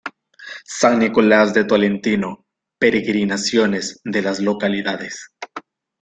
San Nicolás de Tolentino, peregrinaciones de las localidades.